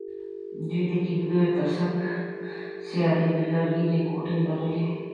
دوی د کېږدیو تر څنګ سیارې لرګینې کوټې لرلې.